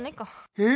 え？